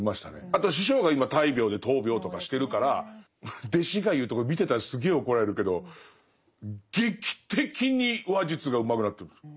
あと師匠が今大病で闘病とかしてるから弟子が言うとこれ見てたらすげえ怒られるけど劇的に話術がうまくなってるんです。